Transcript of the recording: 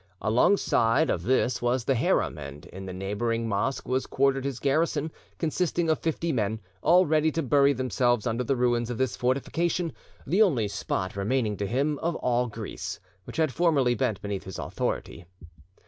Alongside of this was the harem, and in the neighbouring mosque was quartered his garrison, consisting of fifty men, all ready to bury themselves under the ruins of this fortification, the only spot remaining to him of all Greece, which had formerly bent beneath his authority.